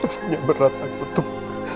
rasanya berat aku untuk